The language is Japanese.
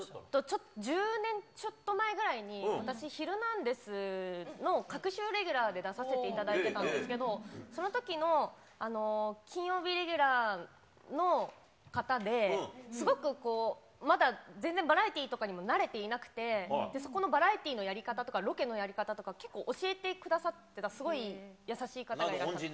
ちょっと、１０年ちょっと前ぐらいに、私、ヒルナンデス！の隔週レギュラーで出させていただいてたんですけど、そのときの金曜日レギュラーの方で、すごくまだ全然バラエティーとかにも慣れていなくて、そこのバラエティーのやり方とか、ロケのやり方を結構教えてくださってたす恩人だ。